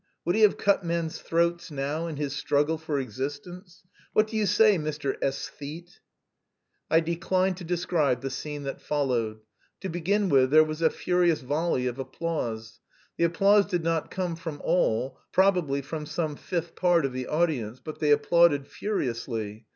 Would he have cut men's throats now, in his struggle for existence? What do you say, Mr. Æsthete?" I decline to describe the scene that followed. To begin with there was a furious volley of applause. The applause did not come from all probably from some fifth part of the audience but they applauded furiously.